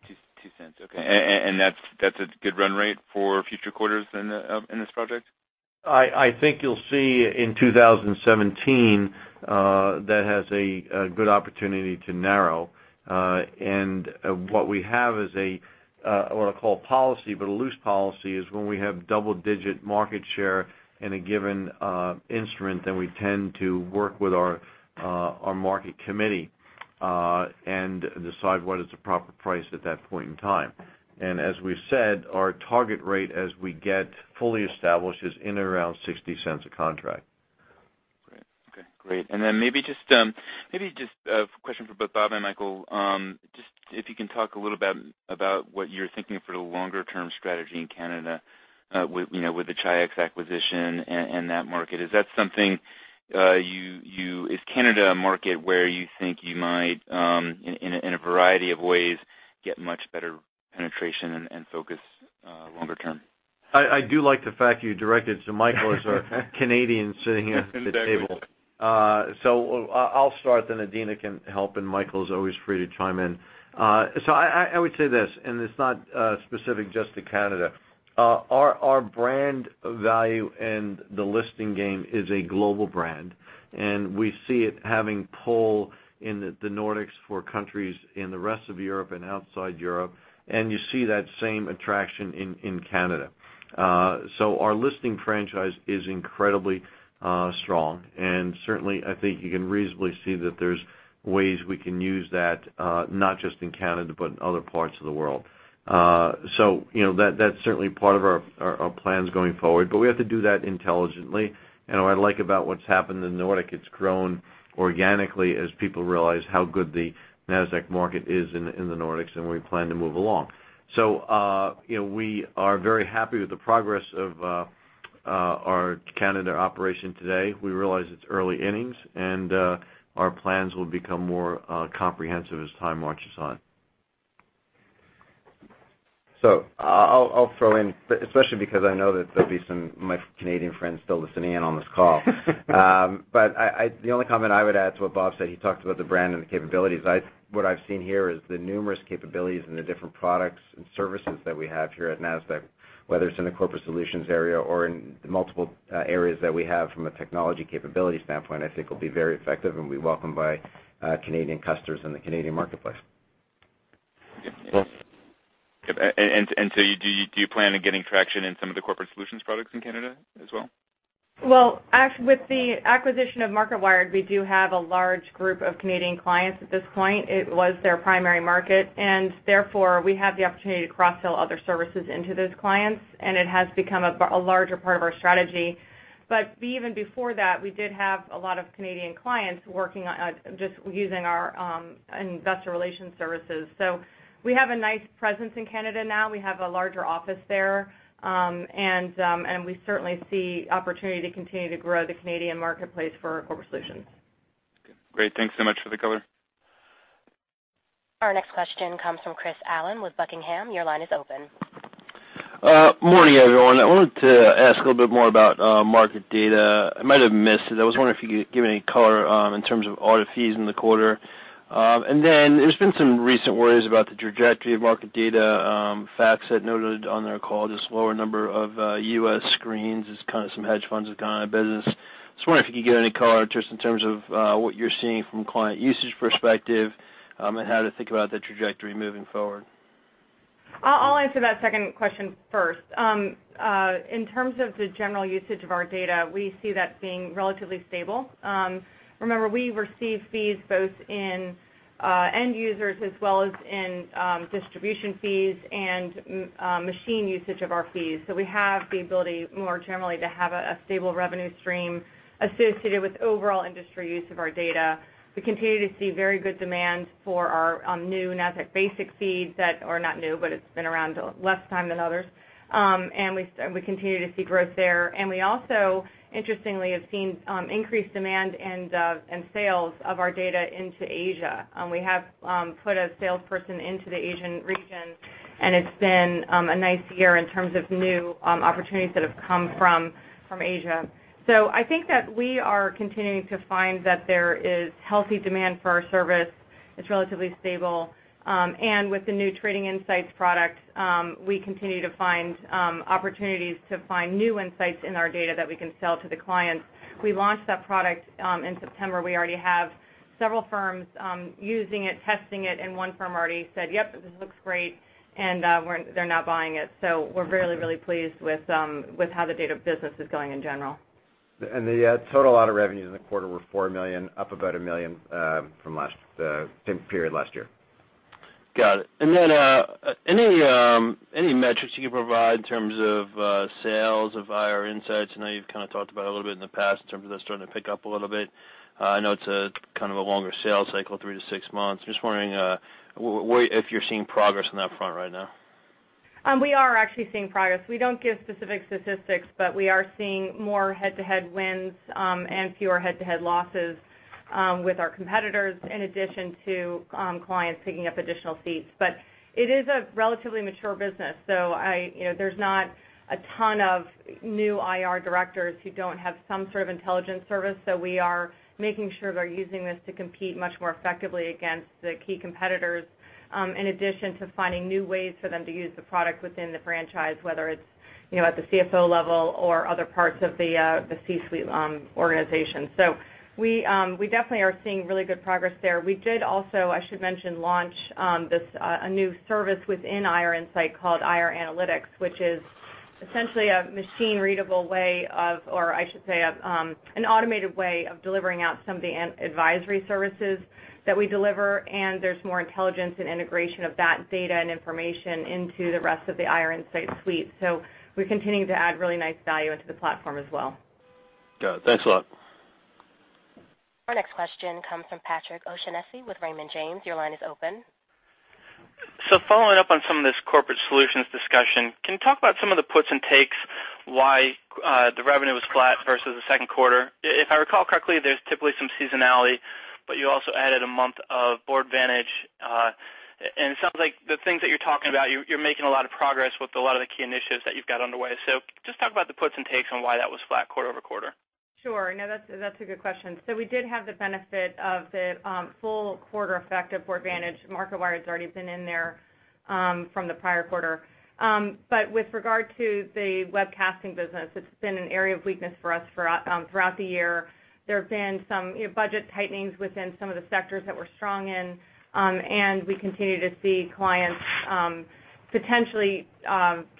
Just $0.02. Okay. That's a good run rate for future quarters in this project? I think you'll see in 2017, that has a good opportunity to narrow. What we have is a, I want to call policy, but a loose policy is when we have double-digit market share in a given instrument, then we tend to work with our market committee and decide what is the proper price at that point in time. As we've said, our target rate as we get fully established is in around $0.60 a contract. Great. Okay, great. Then maybe just a question for both Bob and Michael. Just if you can talk a little bit about what you're thinking for the longer-term strategy in Canada, with the Chi-X acquisition and that market. Is Canada a market where you think you might, in a variety of ways, get much better penetration and focus longer term? I do like the fact you directed to Michael as our Canadian sitting here at the table. I'll start then Adena can help, and Michael's always free to chime in. I would say this, and it's not specific just to Canada. Our brand value and the listing game is a global brand, and we see it having pull in the Nordics for countries in the rest of Europe and outside Europe, and you see that same attraction in Canada. Our listing franchise is incredibly strong, and certainly, I think you can reasonably see that there's ways we can use that, not just in Canada, but in other parts of the world. That's certainly part of our plans going forward, but we have to do that intelligently. What I like about what's happened in the Nordics, it's grown organically as people realize how good the Nasdaq market is in the Nordics, and we plan to move along. We are very happy with the progress of our Canada operation today. We realize it's early innings, and our plans will become more comprehensive as time marches on. I'll throw in, especially because I know that there'll be some of my Canadian friends still listening in on this call. The only comment I would add to what Bob said, he talked about the brand and the capabilities. What I've seen here is the numerous capabilities and the different products and services that we have here at Nasdaq, whether it's in the corporate solutions area or in multiple areas that we have from a technology capability standpoint, I think will be very effective and be welcomed by Canadian customers in the Canadian marketplace. Do you plan on getting traction in some of the corporate solutions products in Canada as well? Well, with the acquisition of Marketwired, we do have a large group of Canadian clients at this point. It was their primary market, and therefore we have the opportunity to cross-sell other services into those clients, and it has become a larger part of our strategy. Even before that, we did have a lot of Canadian clients just using our investor relations services. We have a nice presence in Canada now. We have a larger office there. We certainly see opportunity to continue to grow the Canadian marketplace for corporate solutions. Great. Thanks so much for the color. Our next question comes from Chris Allen with Buckingham. Your line is open. Morning, everyone. I wanted to ask a little bit more about market data. I might have missed it. I was wondering if you could give any color in terms of audit fees in the quarter. Then there's been some recent worries about the trajectory of market data. Bats had noted on their call, just lower number of U.S. screens as kind of some hedge funds have gone out of business. Just wondering if you could give any color just in terms of what you're seeing from client usage perspective, and how to think about the trajectory moving forward. I'll answer that second question first. In terms of the general usage of our data, we see that being relatively stable. Remember, we receive fees both in end users as well as in distribution fees and machine usage of our fees. We have the ability more generally to have a stable revenue stream associated with overall industry use of our data. We continue to see very good demand for our new Nasdaq Basic feeds that are not new, but it's been around less time than others. We continue to see growth there. We also, interestingly, have seen increased demand and sales of our data into Asia. We have put a salesperson into the Asian region, and it's been a nice year in terms of new opportunities that have come from Asia. I think that we are continuing to find that there is healthy demand for our service. It's relatively stable. With the new Nasdaq Trading Insights product, we continue to find opportunities to find new insights in our data that we can sell to the clients. We launched that product in September. We already have several firms using it, testing it, and one firm already said, "Yep, this looks great," and they're now buying it. We're really, really pleased with how the data business is going in general. The total amount of revenues in the quarter were $4 million, up about $1 million from the same period last year. Got it. Any metrics you can provide in terms of sales of IR Insight? I know you've kind of talked about it a little bit in the past in terms of that starting to pick up a little bit. I know it's a kind of a longer sales cycle, 3-6 months. I'm just wondering if you're seeing progress on that front right now. We are actually seeing progress. We don't give specific statistics, but we are seeing more head-to-head wins, and fewer head-to-head losses with our competitors, in addition to clients picking up additional seats. It is a relatively mature business, so there's not a ton of new IR directors who don't have some sort of intelligence service. We are making sure they're using this to compete much more effectively against the key competitors, in addition to finding new ways for them to use the product within the franchise, whether it's at the CFO level or other parts of the C-suite organization. We definitely are seeing really good progress there. We did also, I should mention, launch a new service within IR Insight called IR Analytics, which is essentially a machine-readable way of, or I should say, an automated way of delivering out some of the advisory services that we deliver, and there's more intelligence and integration of that data and information into the rest of the IR Insight suite. We're continuing to add really nice value into the platform as well. Got it. Thanks a lot. Our next question comes from Patrick O'Shaughnessy with Raymond James. Your line is open. Following up on some of this corporate solutions discussion, can you talk about some of the puts and takes, why the revenue was flat versus the second quarter? If I recall correctly, there's typically some seasonality, but you also added a month of Boardvantage. It sounds like the things that you're talking about, you're making a lot of progress with a lot of the key initiatives that you've got underway. Just talk about the puts and takes on why that was flat quarter-over-quarter. Sure. No, that's a good question. We did have the benefit of the full quarter effect of Boardvantage. Marketwired's already been in there from the prior quarter. With regard to the webcasting business, it's been an area of weakness for us throughout the year. There have been some budget tightenings within some of the sectors that we're strong in. We continue to see clients potentially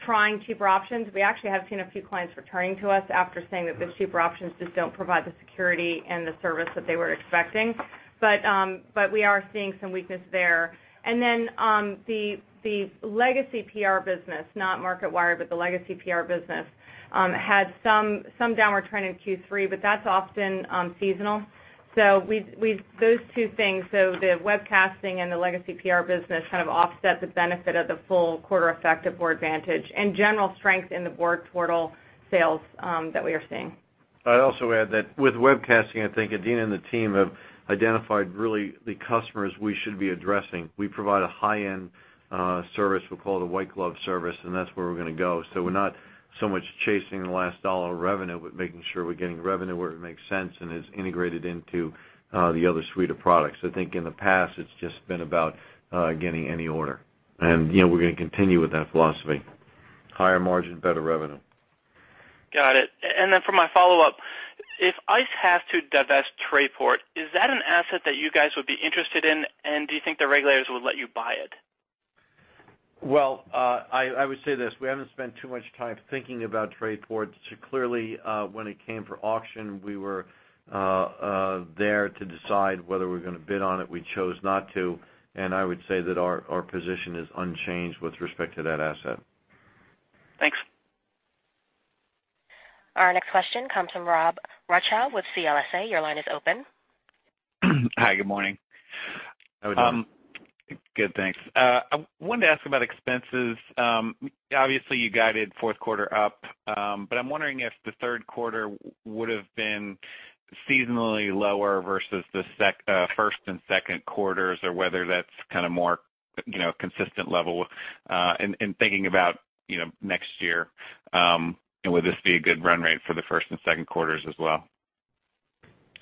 trying cheaper options. We actually have seen a few clients returning to us after saying that the cheaper options just don't provide the security and the service that they were expecting. We are seeing some weakness there. Then the legacy PR business, not Marketwired, but the legacy PR business, had some downward trend in Q3. That's often seasonal. Those two things, the webcasting and the legacy PR business kind of offset the benefit of the full quarter effect of Boardvantage and general strength in the board portal sales that we are seeing. I'd also add that with webcasting, I think Adena and the team have identified really the customers we should be addressing. We provide a high-end service. We call it a white glove service, and that's where we're going to go. We're not so much chasing the last dollar of revenue, but making sure we're getting revenue where it makes sense and is integrated into the other suite of products. I think in the past, it's just been about getting any order. We're going to continue with that philosophy. Higher margin, better revenue. Got it. Then for my follow-up, if ICE has to divest Trayport, is that an asset that you guys would be interested in? Do you think the regulators would let you buy it? Well, I would say this. We haven't spent too much time thinking about Trayport. Clearly, when it came for auction, we were there to decide whether we were going to bid on it. We chose not to. I would say that our position is unchanged with respect to that asset. Thanks. Our next question comes from Rob Rochow with CLSA. Your line is open. Hi, good morning. How are you doing? Good, thanks. I wanted to ask about expenses. Obviously, you guided fourth quarter up. I'm wondering if the third quarter would've been seasonally lower versus the first and second quarters, or whether that's kind of more consistent level, and thinking about next year, and would this be a good run rate for the first and second quarters as well?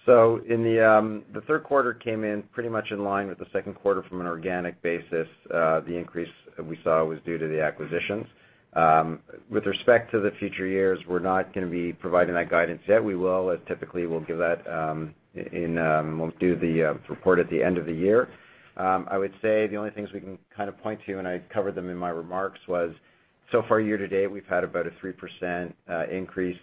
The third quarter came in pretty much in line with the second quarter from an organic basis. The increase we saw was due to the acquisitions. With respect to the future years, we are not going to be providing that guidance yet. We will, as typically, we will do the report at the end of the year. I would say the only things we can kind of point to, and I covered them in my remarks, was so far year-to-date, we have had about a 3% increase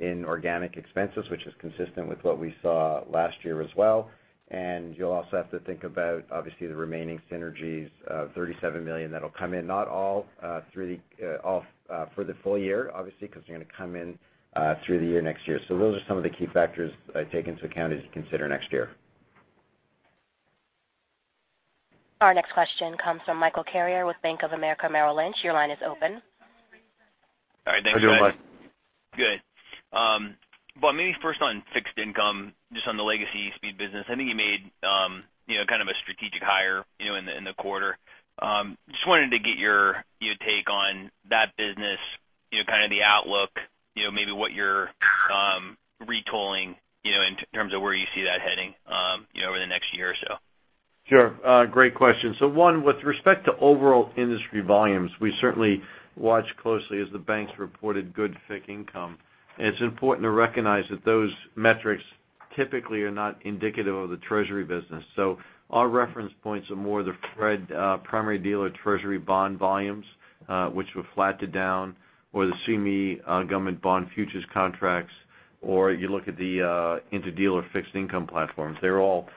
in organic expenses, which is consistent with what we saw last year as well. You will also have to think about, obviously, the remaining synergies of $37 million that will come in not all for the full year, obviously, because they are going to come in through the year next year. Those are some of the key factors I take into account as you consider next year. Our next question comes from Michael Carrier with Bank of America Merrill Lynch. Your line is open. All right. Thanks, guys. How are you doing, Mike? Maybe first on fixed income, just on the legacy eSpeed business, I think you made kind of a strategic hire in the quarter. Just wanted to get your take on that business, kind of the outlook, maybe what you're retooling, in terms of where you see that heading over the next year or so. Sure. Great question. One, with respect to overall industry volumes, we certainly watch closely as the banks reported good FICC income. It's important to recognize that those metrics typically are not indicative of the Treasury business. Our reference points are more the Fed Primary Dealer Treasury bond volumes, which were flat to down, or the CME government bond futures contracts, or you look at the inter-dealer fixed income platforms. They're all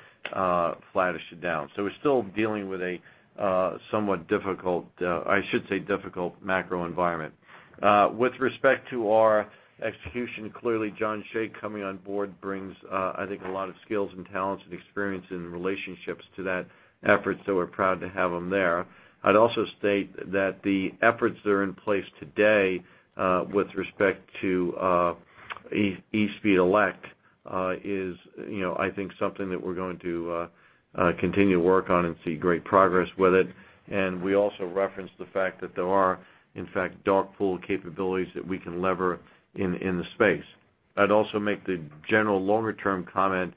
flattish to down. We're still dealing with a somewhat difficult, I should say, difficult macro environment. With respect to our execution, clearly, John Shay coming on board brings, I think, a lot of skills and talents and experience and relationships to that effort, so we're proud to have him there. I'd also state that the efforts that are in place today with respect to eSpeed Elite is I think something that we're going to continue to work on and see great progress with it. We also referenced the fact that there are, in fact, dark pool capabilities that we can lever in the space. I'd also make the general longer-term comment,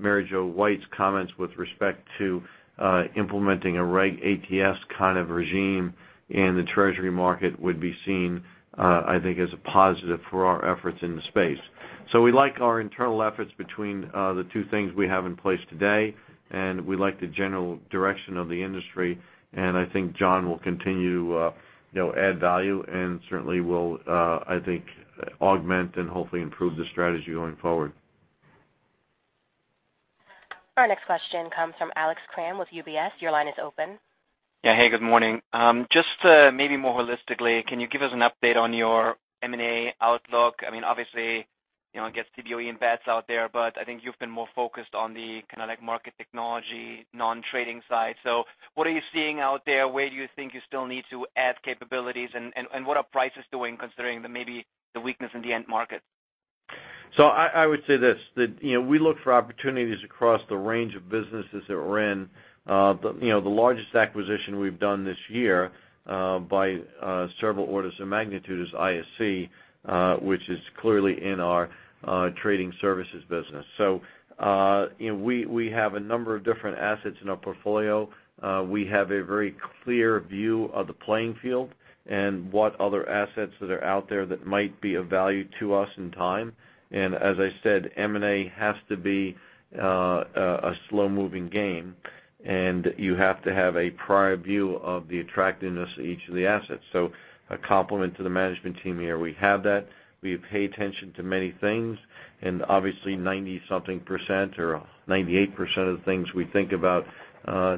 Mary Jo White's comments with respect to implementing a Regulation ATS kind of regime in the Treasury market would be seen, I think, as a positive for our efforts in the space. We like our internal efforts between the two things we have in place today, and we like the general direction of the industry, and I think John will continue to add value and certainly will, I think, augment and hopefully improve the strategy going forward. Our next question comes from Alex Kramm with UBS. Your line is open. Yeah. Hey, good morning. Just maybe more holistically, can you give us an update on your M&A outlook? I mean, obviously, it gets CBOE-BATS embeds out there, but I think you've been more focused on the kind of market technology, non-trading side. What are you seeing out there? Where do you think you still need to add capabilities, and what are prices doing, considering maybe the weakness in the end market? I would say this, that we look for opportunities across the range of businesses that we're in. The largest acquisition we've done this year, by several orders of magnitude, is ISE, which is clearly in our trading services business. We have a number of different assets in our portfolio. We have a very clear view of the playing field and what other assets that are out there that might be of value to us in time. As I said, M&A has to be a slow-moving game, and you have to have a prior view of the attractiveness of each of the assets. A compliment to the management team here. We have that. We pay attention to many things, and obviously 90-something% or 98% of the things we think about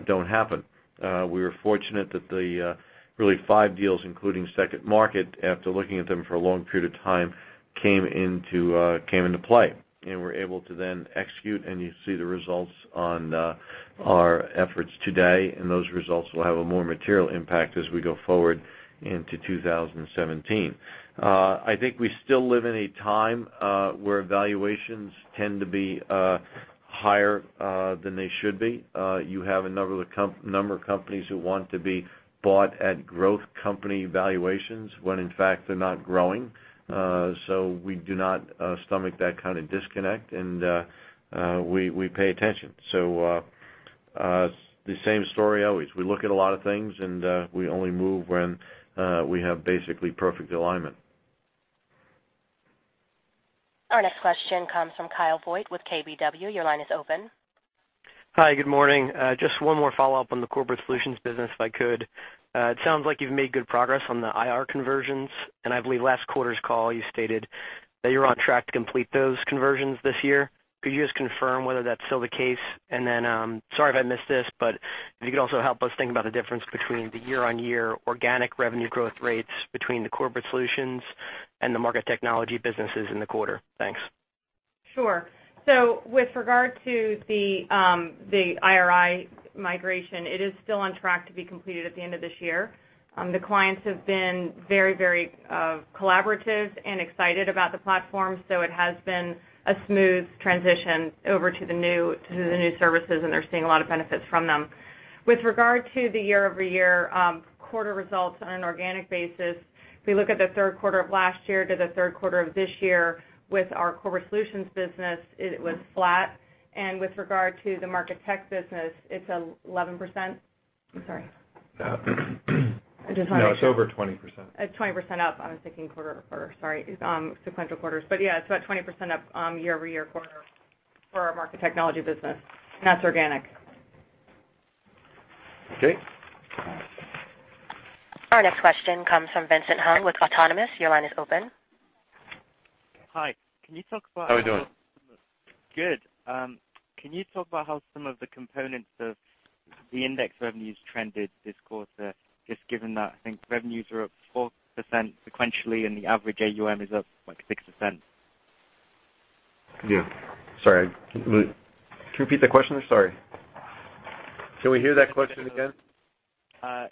don't happen. We were fortunate that the really five deals, including SecondMarket, after looking at them for a long period of time, came into play and were able to then execute. You see the results on our efforts today, and those results will have a more material impact as we go forward into 2017. I think we still live in a time where valuations tend to be higher than they should be. You have a number of companies who want to be bought at growth company valuations when in fact they're not growing. We do not stomach that kind of disconnect, and we pay attention. The same story always. We look at a lot of things, and we only move when we have basically perfect alignment. Our next question comes from Kyle Voigt with KBW. Your line is open. Hi, good morning. Just one more follow-up on the corporate solutions business, if I could. It sounds like you've made good progress on the IR conversions, I believe last quarter's call you stated that you're on track to complete those conversions this year. Could you just confirm whether that's still the case? Then, sorry if I missed this, but if you could also help us think about the difference between the year-on-year organic revenue growth rates between the corporate solutions and the market technology businesses in the quarter. Thanks. Sure. With regard to the IRI migration, it is still on track to be completed at the end of this year. The clients have been very collaborative and excited about the platform, it has been a smooth transition over to the new services, and they're seeing a lot of benefits from them. With regard to the year-over-year quarter results on an organic basis, if we look at the third quarter of last year to the third quarter of this year with our corporate solutions business, it was flat. With regard to the market tech business, it's 11%. I'm sorry. No, it's over 20%. It's 20% up. I was thinking quarter-over-quarter. Sorry. Sequential quarters. It's about 20% up year-over-year quarter for our Market Technology business, and that's organic. Okay. Our next question comes from Vincent Hung with Autonomous. Your line is open. Hi. Can you talk about- How we doing? Good. Can you talk about how some of the components of the index revenues trended this quarter, just given that I think revenues are up 4% sequentially, and the average AUM is up, like, 6%? Yeah. Sorry. Can you repeat the question? Sorry. Can we hear that question again?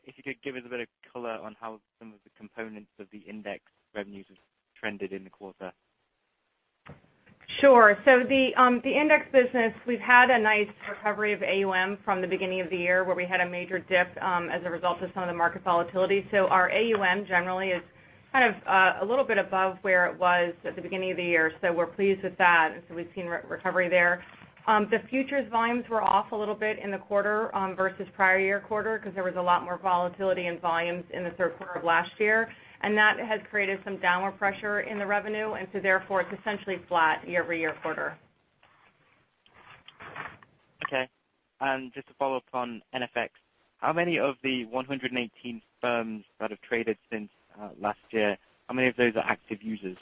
If you could give us a bit of color on how some of the components of the index revenues have trended in the quarter. Sure. The index business, we've had a nice recovery of AUM from the beginning of the year, where we had a major dip, as a result of some of the market volatility. Our AUM generally is kind of a little bit above where it was at the beginning of the year, so we're pleased with that. We've seen recovery there. The futures volumes were off a little bit in the quarter, versus prior year quarter, because there was a lot more volatility in volumes in the third quarter of last year, and that has created some downward pressure in the revenue. Therefore, it's essentially flat year-over-year quarter. Okay. Just to follow up on NFX, how many of the 118 firms that have traded since last year, how many of those are active users?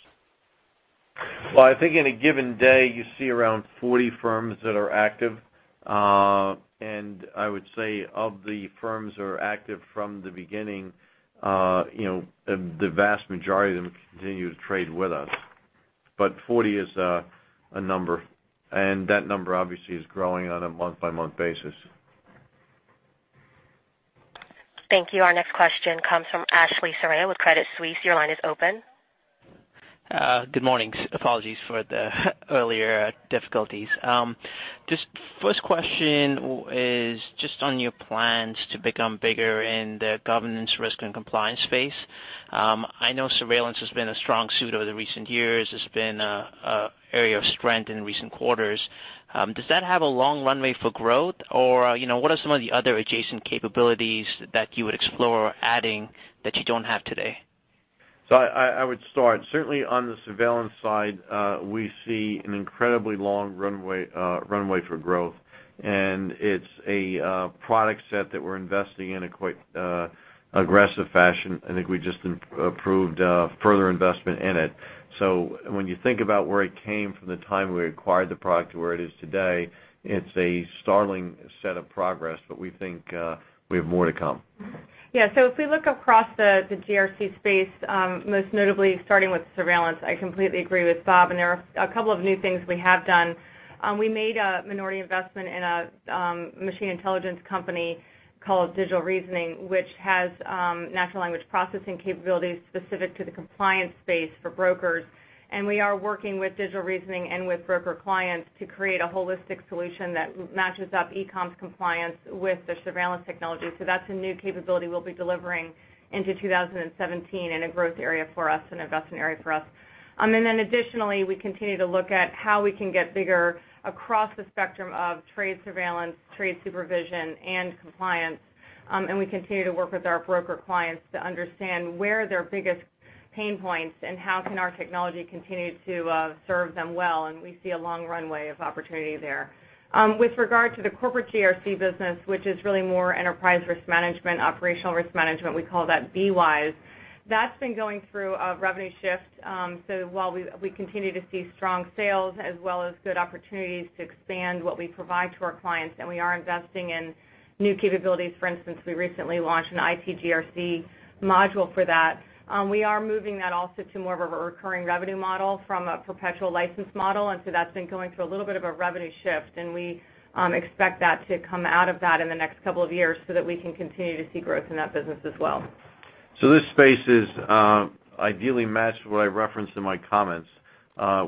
Well, I think in a given day, you see around 40 firms that are active. I would say of the firms that are active from the beginning, the vast majority of them continue to trade with us. 40 is a number, and that number obviously is growing on a month-by-month basis. Thank you. Our next question comes from Ashley Soraya with Credit Suisse. Your line is open. Good morning. Apologies for the earlier difficulties. Just first question is just on your plans to become bigger in the Governance, Risk, and Compliance space. I know surveillance has been a strong suit over the recent years. It's been an area of strength in recent quarters. Does that have a long runway for growth, or what are some of the other adjacent capabilities that you would explore adding that you don't have today? I would start certainly on the surveillance side, we see an incredibly long runway for growth, and it's a product set that we're investing in a quite aggressive fashion. I think we just improved further investment in it. When you think about where it came from the time we acquired the product to where it is today, it's a startling set of progress. We think we have more to come. If we look across the GRC space, most notably starting with surveillance, I completely agree with Bob, and there are a couple of new things we have done. We made a minority investment in a machine intelligence company called Digital Reasoning, which has natural language processing capabilities specific to the compliance space for brokers. We are working with Digital Reasoning and with broker clients to create a holistic solution that matches up e-comms compliance with the surveillance technology. That's a new capability we'll be delivering into 2017 in a growth area for us, an investment area for us. Additionally, we continue to look at how we can get bigger across the spectrum of trade surveillance, trade supervision, and compliance. We continue to work with our broker clients to understand where their biggest pain points and how can our technology continue to serve them well, and we see a long runway of opportunity there. With regard to the corporate GRC business, which is really more enterprise risk management, operational risk management, we call that BWise. That's been going through a revenue shift. While we continue to see strong sales as well as good opportunities to expand what we provide to our clients, and we are investing in new capabilities. For instance, we recently launched an IT GRC module for that. We are moving that also to more of a recurring revenue model from a perpetual license model. That's been going through a little bit of a revenue shift, and we expect that to come out of that in the next couple of years so that we can continue to see growth in that business as well. This space is ideally matched what I referenced in my comments.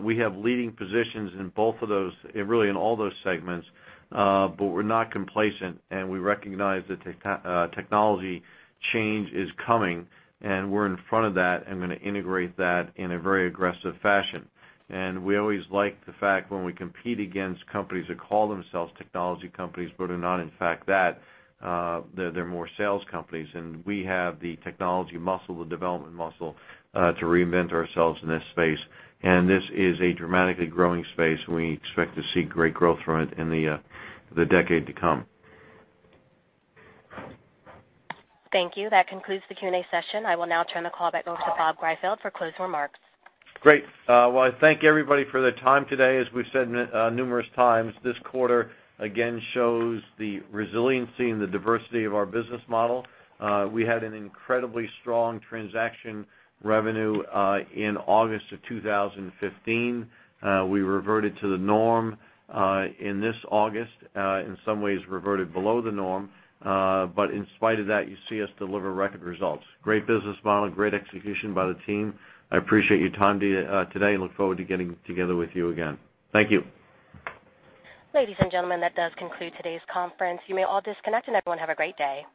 We have leading positions in both of those, really in all those segments. We're not complacent, and we recognize that technology change is coming, and we're in front of that and gonna integrate that in a very aggressive fashion. We always like the fact when we compete against companies that call themselves technology companies, but are not in fact that, they're more sales companies. We have the technology muscle, the development muscle, to reinvent ourselves in this space. This is a dramatically growing space, and we expect to see great growth from it in the decade to come. Thank you. That concludes the Q&A session. I will now turn the call back over to Bob Greifeld for closing remarks. Great. Well, I thank everybody for their time today. As we've said numerous times, this quarter again shows the resiliency and the diversity of our business model. We had an incredibly strong transaction revenue, in August of 2015. We reverted to the norm, in this August, in some ways reverted below the norm. In spite of that, you see us deliver record results. Great business model, great execution by the team. I appreciate your time today and look forward to getting together with you again. Thank you. Ladies and gentlemen, that does conclude today's conference. You may all disconnect, and everyone have a great day.